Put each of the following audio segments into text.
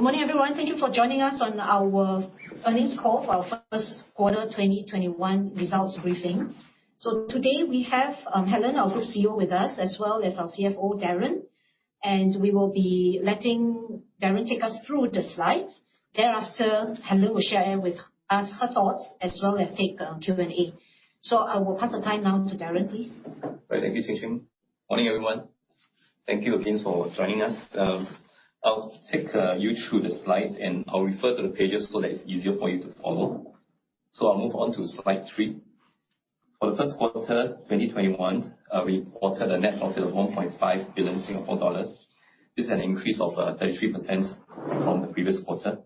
Good morning, everyone. Thank you for joining us on our earnings call for our first quarter 2021 results briefing. Today we have Helen, our Group CEO with us, as well as our CFO, Darren, and we will be letting Darren take us through the slides. Thereafter, Helen will share with us her thoughts as well as take Q&A. I will pass the time now to Darren, please. Right. Thank you, Ching Ching. Morning, everyone. Thank you again for joining us. I'll take you through the slides and I'll refer to the pages so that it's easier for you to follow. I'll move on to slide three. For the first quarter 2021, we reported a net profit of 1.5 billion Singapore dollars. This is an increase of 33% from the previous quarter.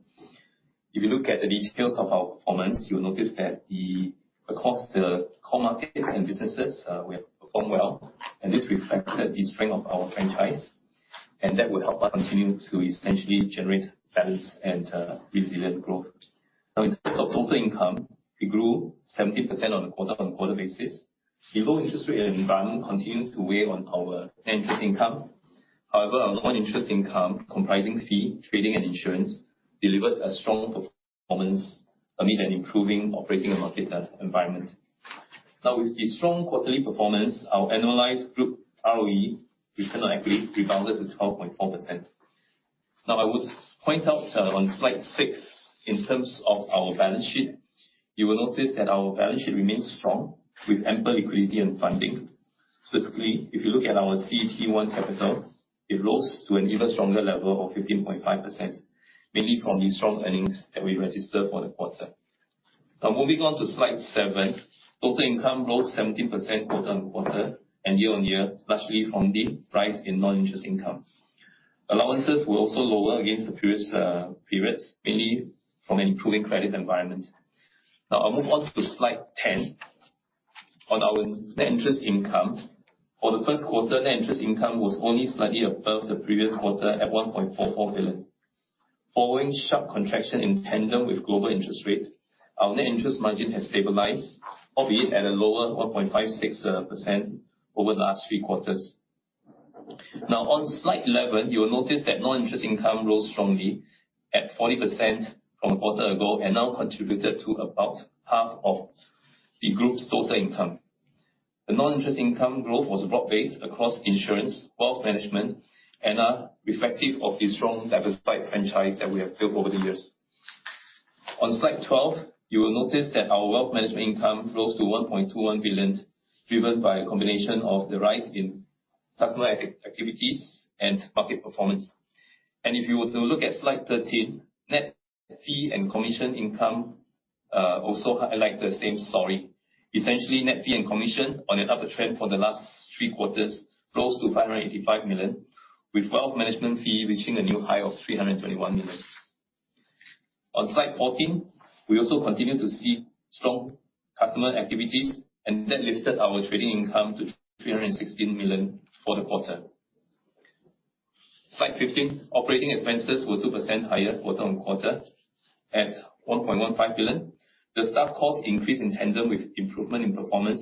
If you look at the details of our performance, you'll notice that across the core markets and businesses, we have performed well, and this reflects the strength of our franchise, and that will help us continue to essentially generate balanced and resilient growth. In terms of total income, we grew 17% on a quarter-on-quarter basis. The low interest rate environment continues to weigh on our interest income. However, our non-interest income comprising fee, trading, and insurance, delivers a strong performance amid an improving operating and market environment. Now with the strong quarterly performance, our annualized group ROE, return on equity, rebounded to 12.4%. Now I would point out on slide six, in terms of our balance sheet, you will notice that our balance sheet remains strong with ample liquidity and funding. Specifically, if you look at our CET1 capital, it rose to an even stronger level of 15.5%, mainly from the strong earnings that we registered for the quarter. Now moving on to slide seven. Total income rose 17% quarter-on-quarter and year-on-year, largely from the rise in net interest income. Allowances were also lower against the previous periods, mainly from an improving credit environment. Now I'll move on to slide 10. On our net interest income. For the first quarter, net interest income was only slightly above the previous quarter at 1.44 billion. Following sharp contraction in tandem with global interest rate, our net interest margin has stabilized, albeit at a lower 1.56% over the last three quarters. Now on slide 11, you will notice that non-interest income rose strongly at 40% from a quarter ago and now contributed to about half of the group's total income. The non-interest income growth was broad-based across insurance, wealth management, and are reflective of the strong, diversified franchise that we have built over the years. On slide 12, you will notice that our wealth management income rose to 1.21 billion, driven by a combination of the rise in customer activities and market performance. If you were to look at slide 13, net fee and commission income also highlight the same story. Essentially net fee and commission on an upward trend for the last three quarters rose to 585 million, with Wealth Management fee reaching a new high of 321 million. On slide 14, we also continue to see strong customer activities, and that lifted our trading income to 316 million for the quarter. Slide 15, operating expenses were 2% higher quarter-on-quarter at 1.15 billion. The staff costs increased in tandem with improvement in performance.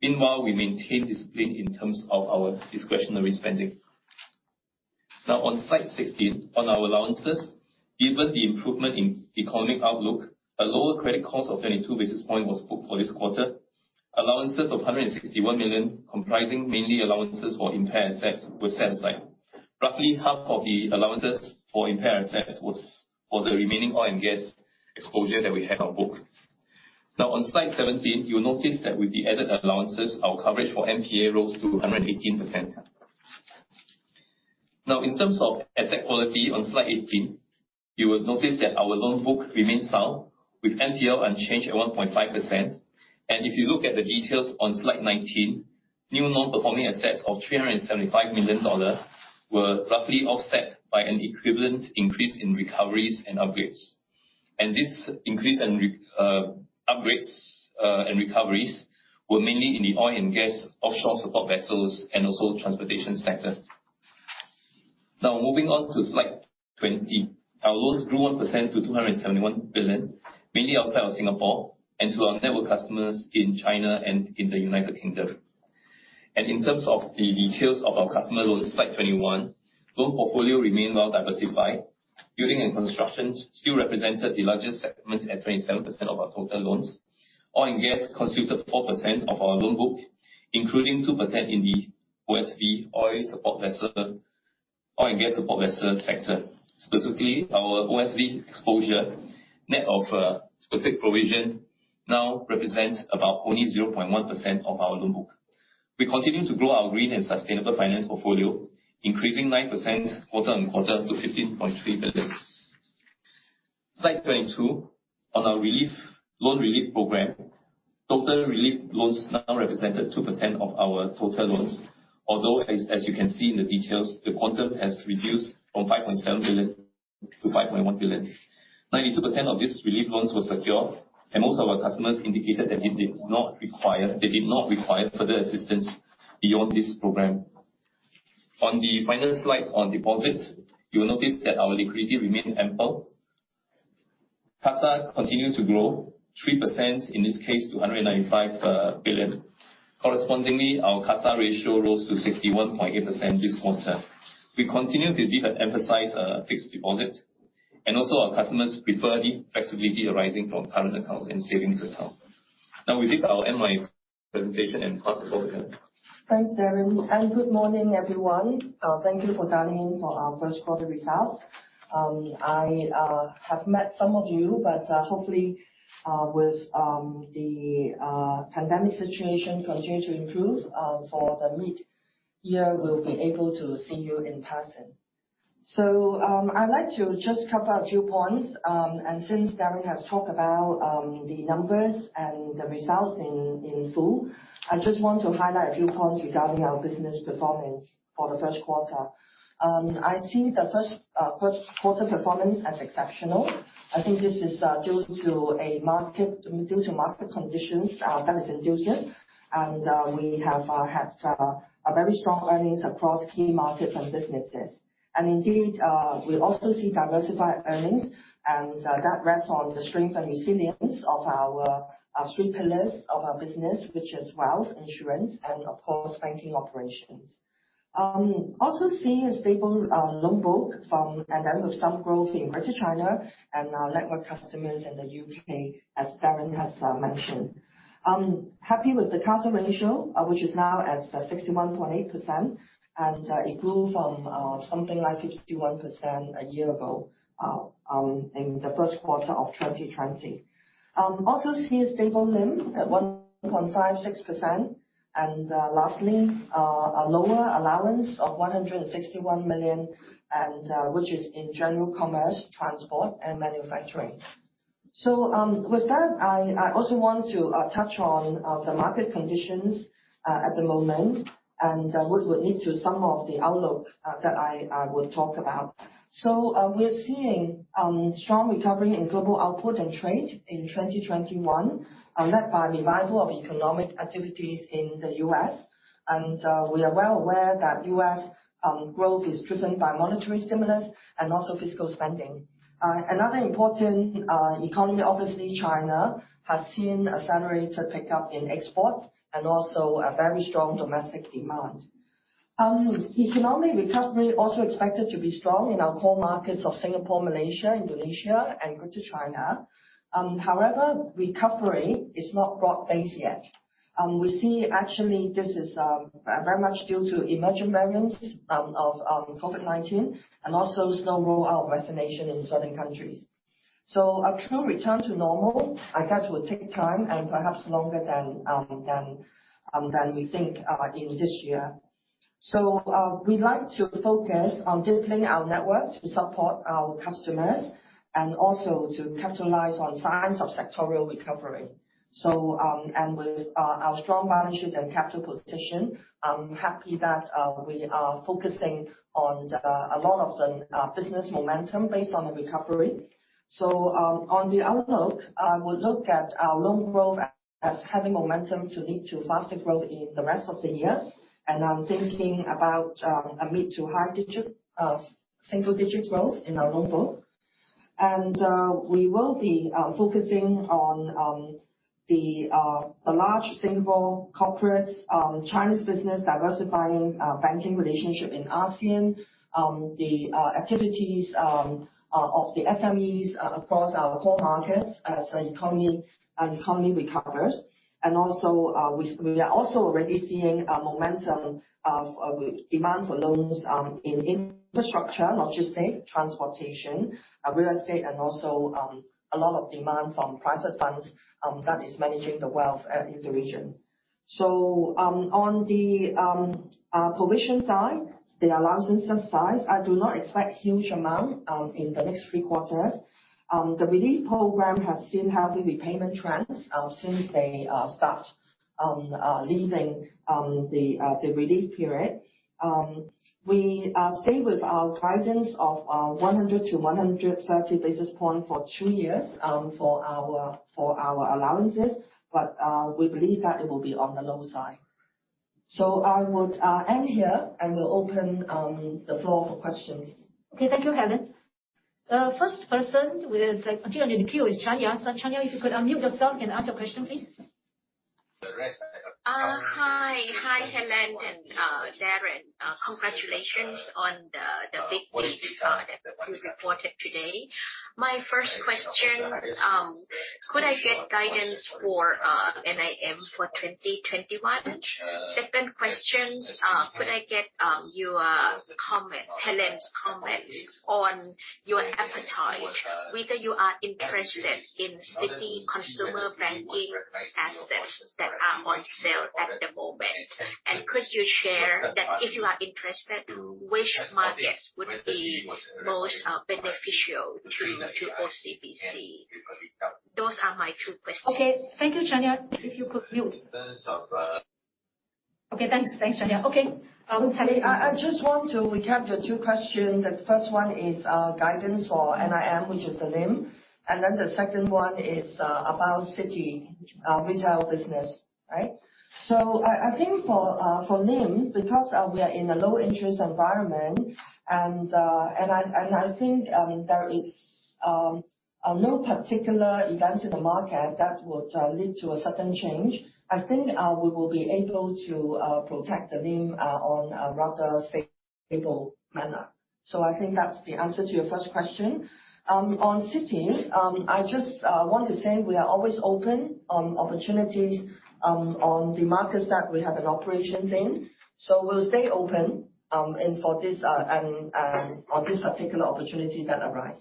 Meanwhile, we maintained discipline in terms of our discretionary spending. On slide 16, on our allowances, given the improvement in economic outlook, a lower credit cost of 22 basis points was booked for this quarter. Allowances of 161 million, comprising mainly allowances for impaired assets, were set aside. Roughly half of the allowances for impaired assets was for the remaining oil and gas exposure that we have on book. On slide 17, you'll notice that with the added allowances, our coverage for NPL rose to 118%. In terms of asset quality on slide 18, you will notice that our loan book remains sound with NPL unchanged at 1.5%. If you look at the details on slide 19, new non-performing assets of 375 million dollars were roughly offset by an equivalent increase in recoveries and upgrades. This increase in upgrades and recoveries were mainly in the oil and gas offshore support vessels and also transportation sector. Moving on to slide 20. Our loans grew 1% to 271 billion, mainly outside of Singapore and to our network customers in China and in the United Kingdom. In terms of the details of our customer loans, slide 21, loan portfolio remain well diversified. Building and construction still represented the largest segment at 27% of our total loans. Oil and gas constituted 4% of our loan book, including 2% in the OSV, oil support vessel, oil and gas support vessel sector. Specifically, our OSV exposure, net of specific provision, now represents about only 0.1% of our loan book. We continue to grow our green and sustainable finance portfolio, increasing 9% quarter-on-quarter to 15.3 billion. Slide 22, on our relief, loan relief program, total relief loans now represented 2% of our total loans, although as you can see in the details, the quantum has reduced from 5.7 billion to 5.1 billion. 92% of these relief loans were secure, most of our customers indicated that they did not require further assistance beyond this program. On the final slides on deposit, you will notice that our liquidity remained ample. CASA continued to grow 3%, in this case to 195 billion. Correspondingly, our CASA ratio rose to 61.8% this quarter. We continue to de-emphasize fixed deposit, also our customers prefer the flexibility arising from current accounts and savings account. Now with this, I'll end my presentation and pass to Helen. Thanks, Darren. Good morning, everyone. Thank you for dialing in for our first quarter results. I have met some of you. Hopefully with the pandemic situation continue to improve for the mid-year, we'll be able to see you in person. I'd like to just cover a few points. Since Darren has talked about the numbers and the results in full, I just want to highlight a few points regarding our business performance for the first quarter. I see the first quarter performance as exceptional. I think this is due to market conditions that is conducive. We have had a very strong earnings across key markets and businesses. Indeed, we also see diversified earnings and that rests on the strength and resilience of our three pillars of our business, which is wealth, insurance, and of course, banking operations. See a stable loan book from an end of some growth in Greater China and our network customers in the U.K., as Darren has mentioned. I'm happy with the CASA ratio, which is now at 61.8%, and it grew from something like 51% a year ago in the first quarter of 2020. See a stable NIM at 1.56%. Lastly, a lower allowance of 161 million, which is in general commerce, transport and manufacturing. With that, I also want to touch on the market conditions at the moment and would lead to some of the outlook that I would talk about. We're seeing strong recovery in global output and trade in 2021, led by revival of economic activities in the U.S., and we are well aware that U.S. growth is driven by monetary stimulus and also fiscal spending. Another important economy, obviously China, has seen accelerated pickup in exports and also a very strong domestic demand. Economic recovery also expected to be strong in our core markets of Singapore, Malaysia, Indonesia and Greater China. However, recovery is not broad-based yet. We see actually this is very much due to emerging variants of COVID-19 and also slow roll-out of vaccination in certain countries. A true return to normal, I guess, will take time and perhaps longer than we think in this year. We'd like to focus on deepening our network to support our customers and also to capitalize on signs of sectorial recovery. With our strong balance sheet and capital position, I'm happy that we are focusing on a lot of the business momentum based on the recovery. On the outlook, I would look at our loan growth as having momentum to lead to faster growth in the rest of the year. I'm thinking about a mid to high single-digit growth in our loan book. We will be focusing on the large Singapore corporates, Chinese business diversifying banking relationship in ASEAN, the activities of the SMEs across our core markets as the economy recovers. We are also already seeing a momentum of demand for loans in infrastructure, logistics, transportation, real estate and also a lot of demand from private banks that is managing the wealth in the region. On the provision side, the allowances aside, I do not expect huge amount in the next three quarters. The relief program has seen healthy repayment trends since they start leaving the relief period. We stay with our guidance of 100 basis points-130 basis points for two years for our allowances, but we believe that it will be on the low side. I would end here and will open the floor for questions. Okay. Thank you, Helen. First person continue in the queue is Chanya. Chanya, if you could unmute yourself and ask your question, please. Hi, Helen and Darren. Congratulations on the big beat that you reported today. My first question, could I get guidance for NIM for 2021? Second question, could I get Helen's comments on your appetite, whether you are interested in Citi consumer banking assets that are on sale at the moment? Could you share that if you are interested, which markets would be most beneficial to OCBC? Those are my two questions. Okay. Thank you, Chanya. If you could mute. Okay, thanks, Chanya. Okay. I just want to recap the two questions. The first one is guidance for NIM, which is the NIM, the second one is about Citi retail business. Right? I think for NIM, because we are in a low interest environment and I think there is no particular event in the market that would lead to a sudden change, I think we will be able to protect the NIM on a rather stable manner. I think that's the answer to your first question. On Citi, I just want to say we are always open on opportunities on the markets that we have an operations in. We'll stay open on this particular opportunity that arise.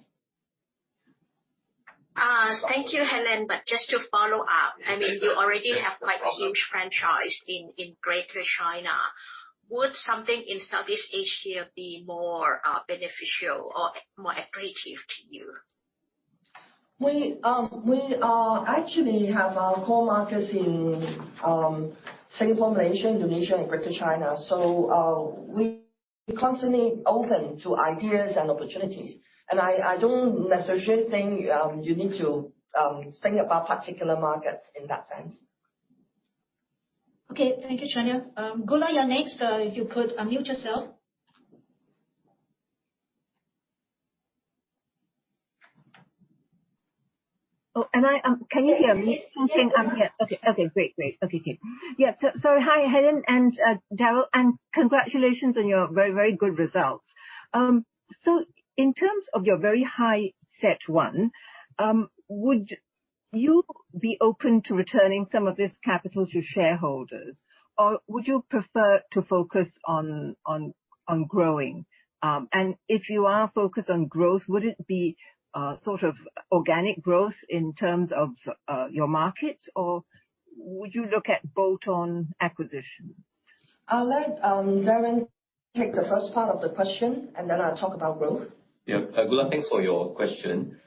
Thank you, Helen. Just to follow up, you already have quite huge franchise in Greater China. Would something in Southeast Asia be more beneficial or more accretive to you? We actually have our core markets in Singapore, Malaysia, Indonesia, and Greater China. We constantly open to ideas and opportunities. I don't necessarily think you need to think about particular markets in that sense. Okay. Thank you, Chanya. Gulab, you're next. If you could unmute yourself. Can you hear me? Yes, we can. I think I'm here. Okay, great. Okay. Yeah. Hi, Helen and Darren, and congratulations on your very good results. In terms of your very high CET1, would you be open to returning some of this capital to shareholders, or would you prefer to focus on growing? If you are focused on growth, would it be organic growth in terms of your markets, or would you look at bolt-on acquisition? I'll let Darren take the first part of the question, and then I'll talk about growth. Yeah. Gulab, thanks for your question.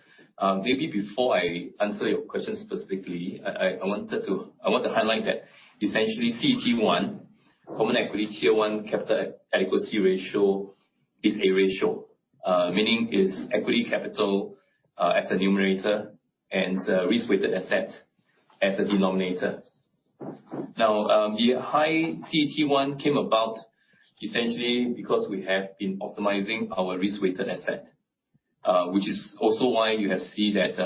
Maybe before I answer your question specifically, I want to highlight that essentially, CET1, Common Equity Tier 1 capital adequacy ratio is a ratio, meaning is equity capital as a numerator and risk-weighted asset as a denominator. The high CET1 came about essentially because we have been optimizing our risk-weighted asset, which is also why you have seen that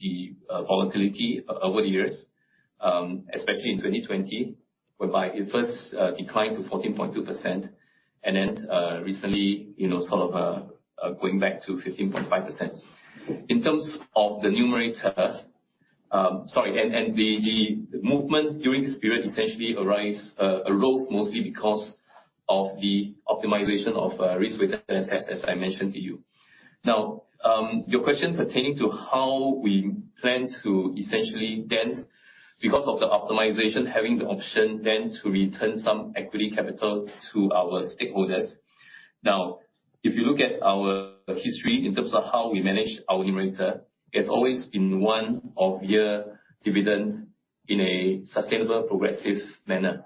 the volatility over the years, especially in 2020, whereby it first declined to 14.2% and then recently, sort of going back to 15.5%. In terms of the numerator, sorry, and the movement during this period essentially arose mostly because of the optimization of risk-weighted assets, as I mentioned to you. Your question pertaining to how we plan to essentially then, because of the optimization, having the option then to return some equity capital to our stakeholders. Now, if you look at our history in terms of how we manage our numerator, it's always been one of year dividend in a sustainable, progressive manner.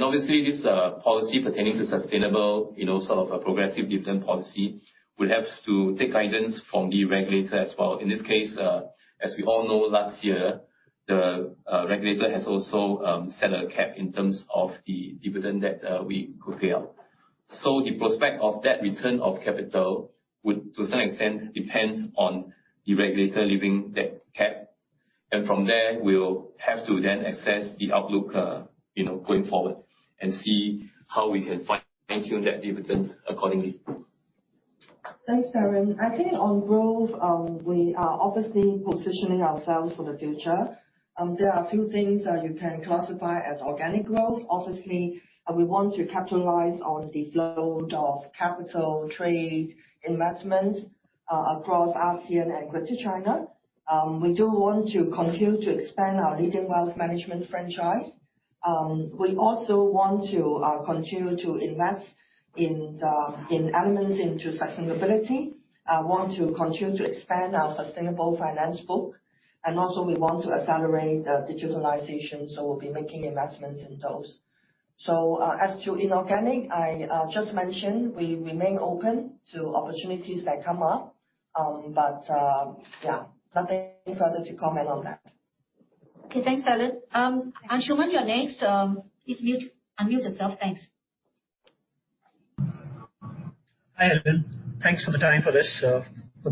Obviously, this policy pertaining to sustainable, sort of a progressive dividend policy, will have to take guidance from the regulator as well. In this case, as we all know, last year, the regulator has also set a cap in terms of the dividend that we could pay out. The prospect of that return of capital would, to some extent, depend on the regulator leaving that cap. From there, we will have to then assess the outlook going forward and see how we can fine-tune that dividend accordingly. Thanks, Darren. I think on growth, we are obviously positioning ourselves for the future. There are a few things that you can classify as organic growth. Obviously, we want to capitalize on the flow of capital trade investment across ASEAN and Greater China. We do want to continue to expand our leading wealth management franchise. We also want to continue to invest in elements into sustainability, want to continue to expand our sustainable finance book, and also we want to accelerate digitalization, so we'll be making investments in those. As to inorganic, I just mentioned we remain open to opportunities that come up. Yeah, nothing further to comment on that. Okay, thanks, Helen. Anshuman, you're next. Please unmute yourself. Thanks. Hi, Helen. Thanks for the time for this, for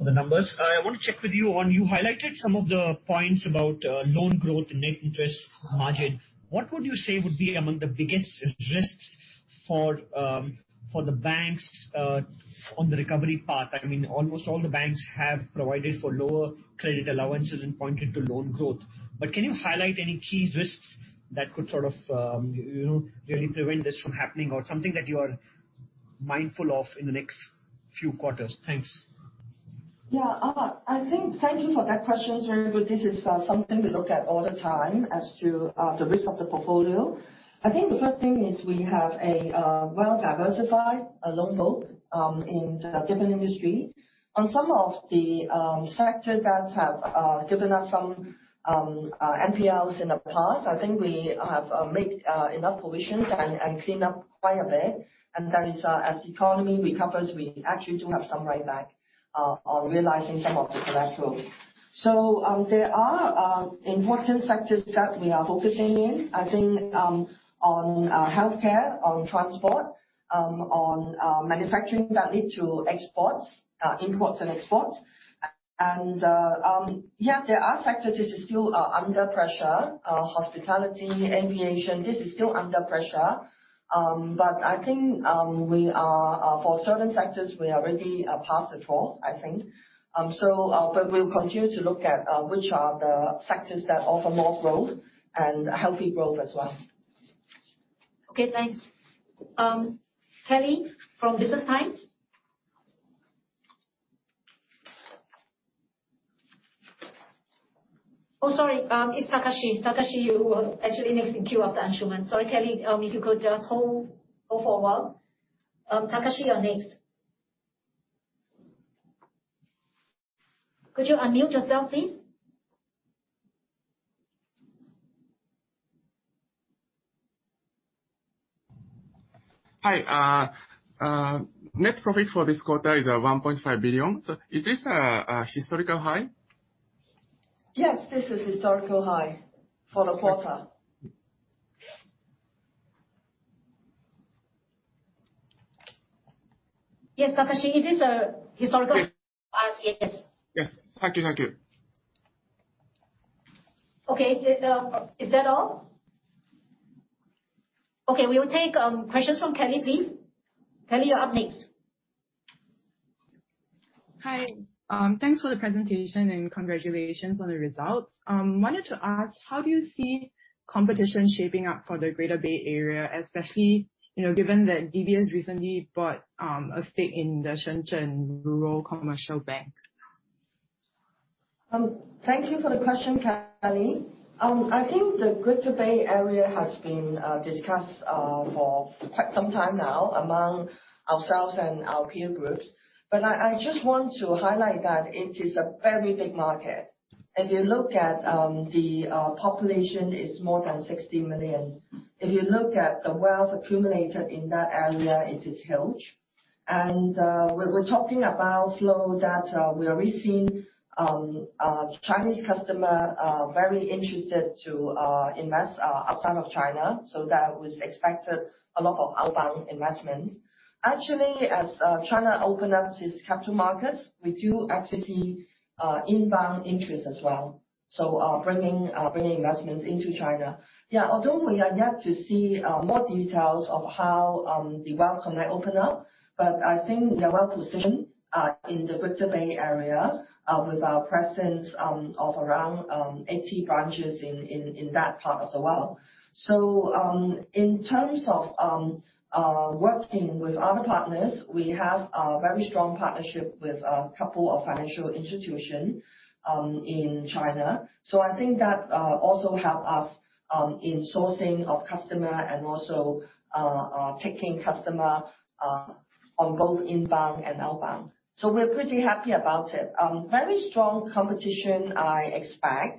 the numbers. I want to check with you on, you highlighted some of the points about loan growth and net interest margin. What would you say would be among the biggest risks for the banks on the recovery path? Almost all the banks have provided for lower credit allowances and pointed to loan growth. Can you highlight any key risks that could sort of really prevent this from happening or something that you are mindful of in the next few quarters? Thanks. Yeah. Thank you for that question. It's very good. This is something we look at all the time as to the risk of the portfolio. I think the first thing is we have a well-diversified loan book in different industry. On some of the sectors that have given us some NPLs in the past. I think we have made enough provisions and cleaned up quite a bit, and as the economy recovers, we actually do have some write back on realizing some of the collateral. There are important sectors that we are focusing in. I think on healthcare, on transport, on manufacturing that lead to imports and exports. Yeah, there are sectors that are still under pressure, hospitality, aviation, this is still under pressure. I think for certain sectors, we are already past the trough, I think. We'll continue to look at which are the sectors that offer more growth and healthy growth as well. Okay, thanks. Kelly from The Business Times. Oh, sorry, it's Takashi. Takashi, you were actually next in queue after Anshuman. Sorry, Kelly, if you could just hold for a while. Takashi, you're next. Could you unmute yourself, please? Hi. Net profit for this quarter is 1.5 billion. Is this a historical high? Yes, this is a historical high for the quarter. Yes, Takashi, it is a historical high. Yes. Thank you. Okay. Is that all? Okay, we will take questions from Kelly, please. Kelly, you're up next. Hi. Thanks for the presentation and congratulations on the results. I wanted to ask, how do you see competition shaping up for the Greater Bay Area, especially, given that DBS recently bought a stake in the Shenzhen Rural Commercial Bank? Thank you for the question, Kelly. I think the Greater Bay Area has been discussed for quite some time now among ourselves and our peer groups. I just want to highlight that it is a very big market. If you look at the population is more than 60 million. If you look at the wealth accumulated in that area, it is huge. We were talking about flow that we are really seeing Chinese customer very interested to invest outside of China, that was expected a lot of outbound investment. Actually, as China open up its capital markets, we do actually see inbound interest as well, bringing investments into China. Yeah, although we are yet to see more details of how the Wealth Connect open up, I think we are well positioned in the Greater Bay Area, with our presence of around 80 branches in that part of the world. In terms of working with other partners, we have a very strong partnership with a couple of financial institution in China. I think that also help us in sourcing of customer and also taking customer on both inbound and outbound. We're pretty happy about it. Very strong competition, I expect.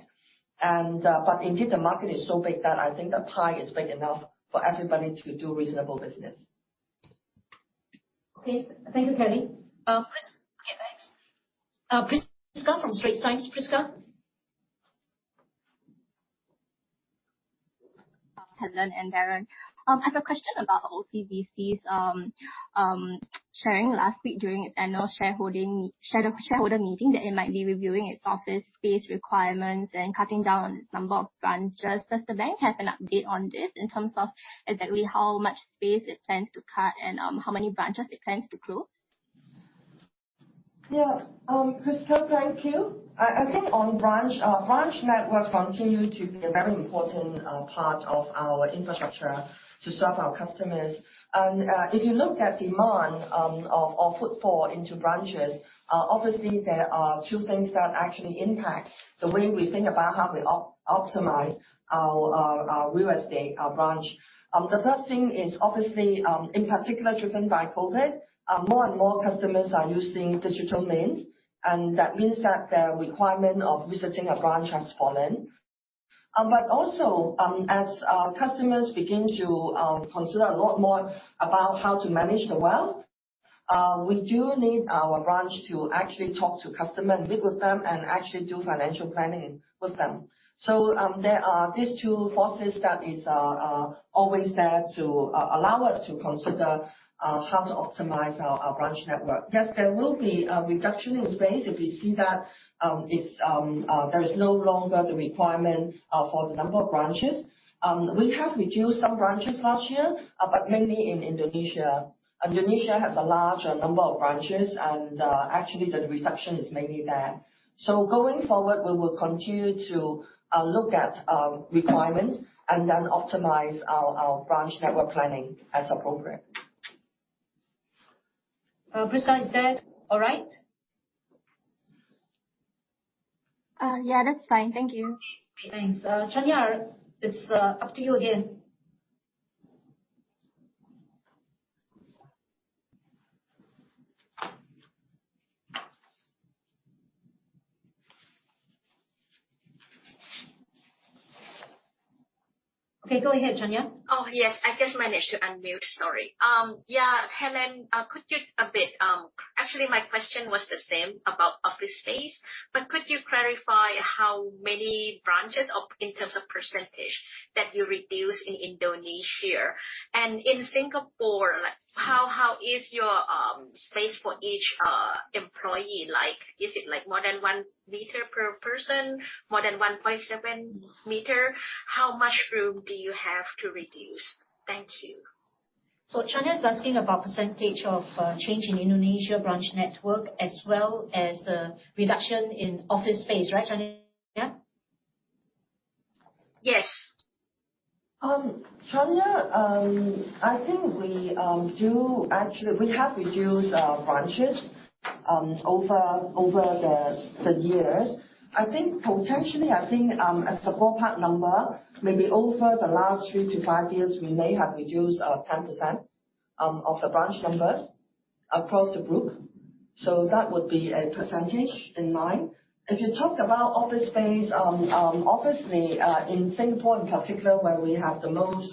Indeed, the market is so big that I think the pie is big enough for everybody to do reasonable business. Okay. Thank you, Kelly. Okay, thanks. Prisca from Straits Times. Prisca? Helen and Darren. I have a question about OCBC's sharing last week during its annual shareholder meeting, that it might be reviewing its office space requirements and cutting down on its number of branches. Does the bank have an update on this in terms of exactly how much space it plans to cut and how many branches it plans to close? Prisca, thank you. I think on branch networks continue to be a very important part of our infrastructure to serve our customers. If you look at demand of footfall into branches, obviously, there are two things that actually impact the way we think about how we optimize our real estate, our branch. The first thing is obviously, in particular, driven by COVID-19. More and more customers are using digital means, and that means that their requirement of visiting a branch has fallen. Also, as our customers begin to consider a lot more about how to manage their wealth, we do need our branch to actually talk to customer and meet with them and actually do financial planning with them. There are these two forces that is always there to allow us to consider how to optimize our branch network. Yes, there will be a reduction in space if we see that there is no longer the requirement for the number of branches. We have reduced some branches last year, but mainly in Indonesia. Indonesia has a larger number of branches, and actually, the reduction is mainly there. Going forward, we will continue to look at requirements and then optimize our branch network planning as appropriate. Prisca, is that all right? Yeah, that's fine. Thank you. Thanks. Chanya, it's up to you again. Okay, go ahead, Chanya. Oh, yes. I just managed to unmute. Sorry. Yeah. Helen, actually, my question was the same about office space. Could you clarify how many branches, in terms of percentage, that you reduced in Indonesia? In Singapore, how is your space for each employee like? Is it more than 1 m per person? More than 1.7 m? How much room do you have to reduce? Thank you. Chanya is asking about percentage of change in Indonesia branch network as well as the reduction in office space. Right, Chanya? Yes. Chanya, I think we have reduced our branches over the years. Potentially, I think as a ballpark number, maybe over the last three to five years, we may have reduced 10% of the branch numbers across the group. That would be a percentage in mind. If you talk about office space, obviously, in Singapore in particular, where we have the most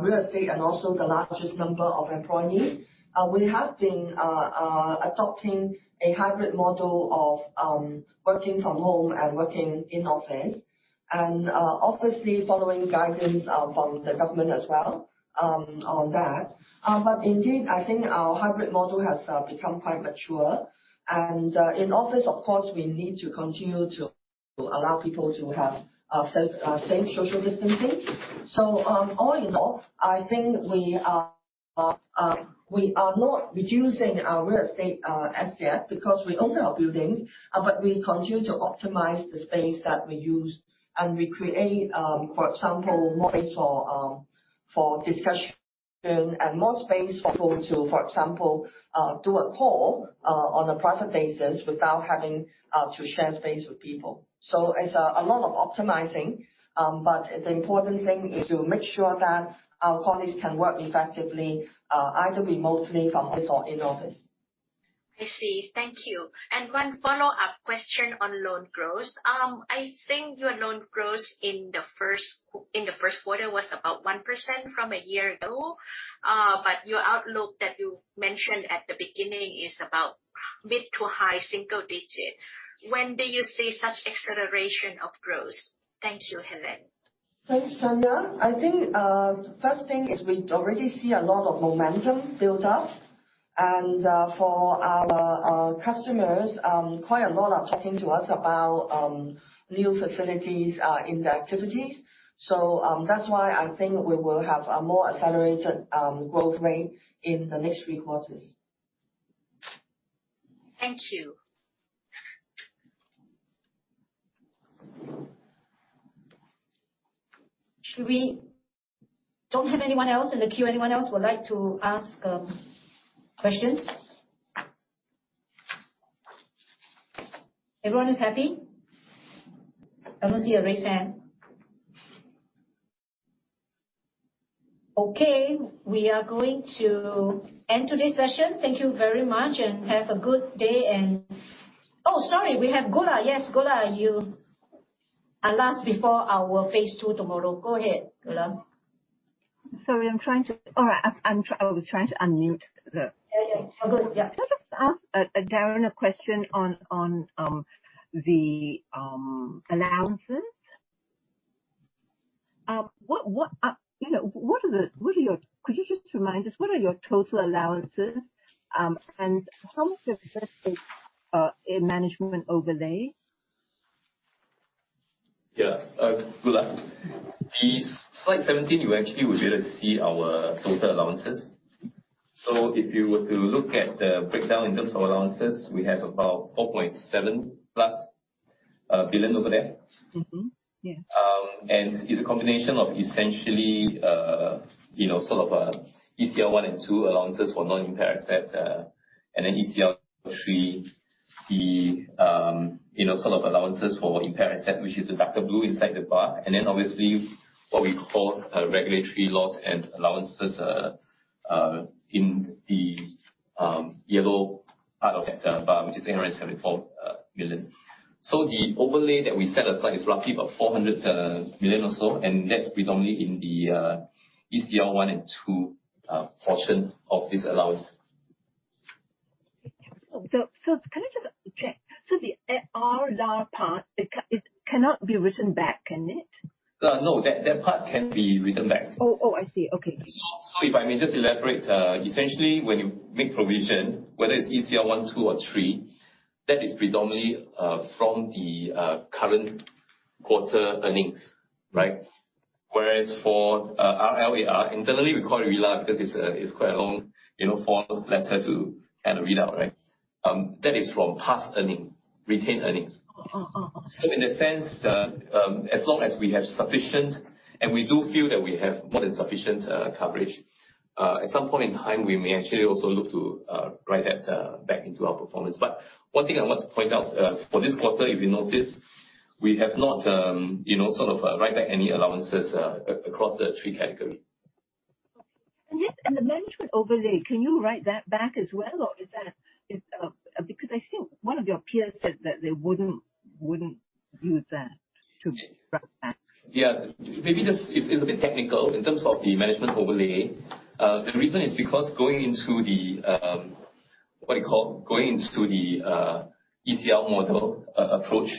real estate and also the largest number of employees, we have been adopting a hybrid model of working from home and working in office. Obviously following guidelines from the government as well on that. Indeed, I think our hybrid model has become quite mature. In office, of course, we need to continue to allow people to have safe social distancing. All in all, I think we are not reducing our real estate as yet because we own our buildings, but we continue to optimize the space that we use and we create, for example, more space for discussion and more space for people to, for example, do a call on a private basis without having to share space with people. It's a lot of optimizing, but the important thing is to make sure that our colleagues can work effectively, either remotely from home or in office. I see. Thank you. One follow-up question on loan growth. I think your loan growth in the first quarter was about 1% from a year ago. Your outlook that you mentioned at the beginning is about mid to high single digit. When do you see such acceleration of growth? Thank you, Helen. Thanks, Chanya. I think, first thing is we already see a lot of momentum built up. For our customers, quite a lot are talking to us about new facilities in their activities. That's why I think we will have a more accelerated growth rate in the next three quarters. Thank you. We don't have anyone else in the queue. Anyone else would like to ask questions? Everyone is happy? I don't see a raised hand. We are going to end today's session. Thank you very much and have a good day. Sorry. We have Gulab. Yes, Gulab, you are last before our phase II tomorrow. Go ahead, Gulab. Sorry, I was trying to unmute. Yeah. All good. Yeah. Can I just ask Darren a question on the allowances? Could you just remind us what are your total allowances, and how much is this in management overlay? Yeah. Gulab. The slide 17, you actually will be able to see our total allowances. If you were to look at the breakdown in terms of allowances, we have about 4.7 billion+ over there. Mm-hmm. Yes. It's a combination of essentially, ECL 1 and 2 allowances for non-impaired assets. ECL 3, the allowances for impaired asset, which is the darker blue inside the bar. Obviously what we call regulatory loss and allowances in the yellow part of that bar, which is RLAR 74 million. The overlay that we set aside is roughly about 400 million or so, and that's predominantly in the ECL 1 and 2 portion of this allowance. Can I just check? The RLAR part, it cannot be written back, can it? No, that part can be written back. Oh, I see. Okay. If I may just elaborate, essentially, when you make provision, whether it's ECL 1, 2, or 3, that is predominantly from the current quarter earnings, right? Whereas for RLAR, internally, we call it RLAR because it's quite a long form-letter to add a readout, right? That is from past retained earnings. Oh. In a sense, as long as we have sufficient, and we do feel that we have more than sufficient coverage, at some point in time, we may actually also look to write that back into our performance. One thing I want to point out, for this quarter, if you notice, we have not write back any allowances across the three category. Yes, the management overlay, can you write that back as well? I think one of your peers said that they wouldn't use that to write back. Yeah. Maybe just, it's a bit technical in terms of the management overlay. The reason is because going into the ECL model approach,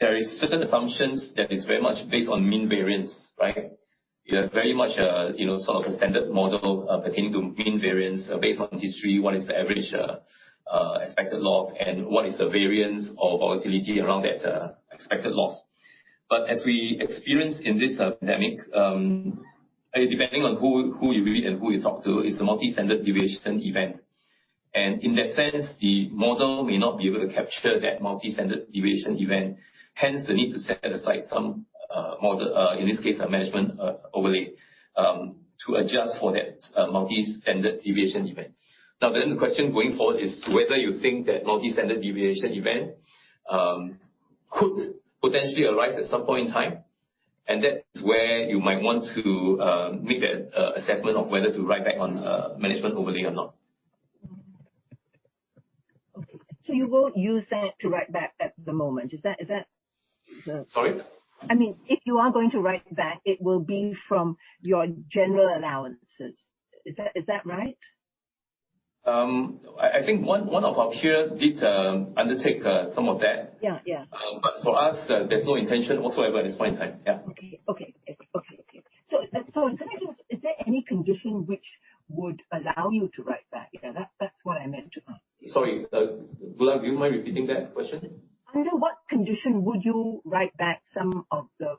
there is certain assumptions that is very much based on mean variance, right? You have very much a standard model pertaining to mean variance based on history, what is the average expected loss, and what is the variance or volatility around that expected loss. As we experienced in this pandemic, depending on who you read and who you talk to, it's a multi-standard deviation event. In that sense, the model may not be able to capture that multi-standard deviation event, hence the need to set aside some model, in this case, a management overlay, to adjust for that multi-standard deviation event. The question going forward is whether you think that multi-standard deviation event could potentially arise at some point in time, and that is where you might want to make that assessment of whether to write back on management overlay or not. Okay. You won't use that to write back at the moment. Is that the? Sorry? I mean, if you are going to write back, it will be from your general allowances. Is that right? I think one of our peer did undertake some of that. Yeah. For us, there's no intention whatsoever at this point in time. Yeah. Okay. Is there any condition which would allow you to write back? That's what I meant to ask. Sorry, Gulab, do you mind repeating that question? Under what condition would you write back some of the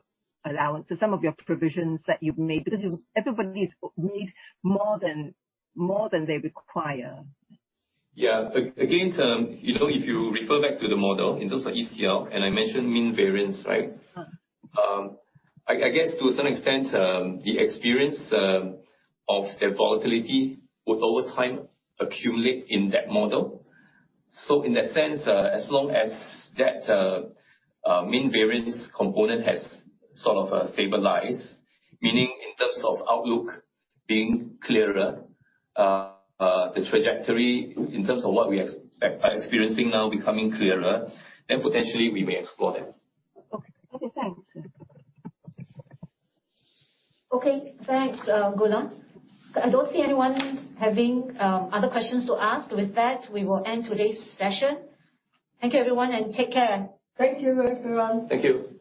allowances, some of your provisions that you've made? Because everybody's made more than they require. Yeah. Again, if you refer back to the model in terms of ECL, and I mentioned mean variance, right? I guess to a certain extent, the experience of that volatility would, over time, accumulate in that model. In that sense, as long as that mean variance component has sort of stabilized, meaning in terms of outlook being clearer, the trajectory in terms of what we are experiencing now becoming clearer, potentially we may explore that. Okay, thanks. Okay, thanks, Gulab. I don't see anyone having other questions to ask. We will end today's session. Thank you, everyone, and take care. Thank you, everyone. Thank you.